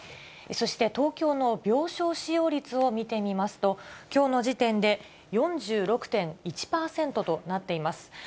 そして東京の病床使用率を見てみますと、きょうの時点で４６．１％となっています。